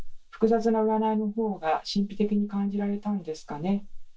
複雑な占いの方が神秘的に感じられたんですかね。